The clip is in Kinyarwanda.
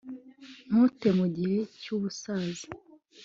ntunte mu gihe cy'ubusaza